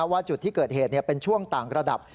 ว่าจุดที่เกิดเหตุเป็นช่วงต่างระดับ